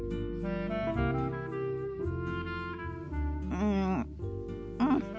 うんうん。